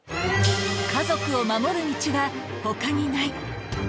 家族を守る道はほかにない。